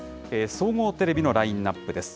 総合テレビのラインナップです。